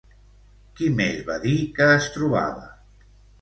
Qui més va dir que es trobava?